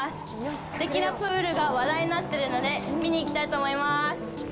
すてきなプールが話題になっているので見に行きたいと思います。